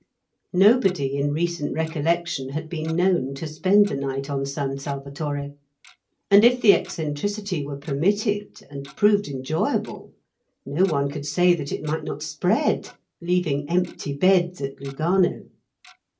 Nobody in recent recollection had been known to spend the night on San Salvatore, and if the eccentricity were permitted and proved enjoyable, no one could say that it might not spread, leaving empty beds at Lugano.